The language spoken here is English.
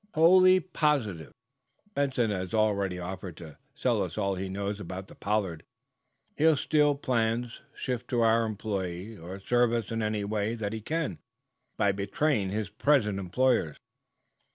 "Wholly positive. Benson has already offered to sell us all he knows about the 'Pollard.' He'll steal plans, shift to our employ, or serve us in any way that he can by betraying his present employers."